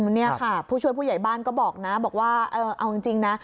นี่ค่ะผู้ช่วยผู้ใหญ่บ้านก็บอกนะบอกว่าเอาจริงนะ